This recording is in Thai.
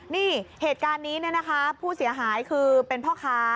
นี่เหตุการณ์นี้ผู้เสียหายคือเป็นพ่อค้า